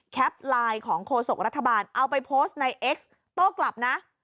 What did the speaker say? ไลน์ของโฆษกรัฐบาลเอาไปโพสต์ในเอ็กซ์โต้กลับนะ